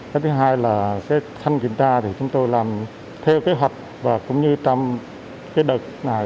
cái thứ hai là thanh kiểm tra thì chúng tôi làm theo kế hoạch và cũng như trong cái đợt này